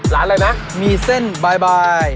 ร้านอะไรน่ะมีเส้นบ๊ายบาย